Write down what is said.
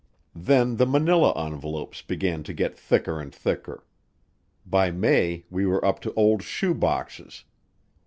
Then the manila envelopes began to get thicker and thicker. By May we were up to old shoe boxes.